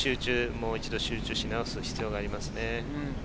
集中し直す必要がありますね。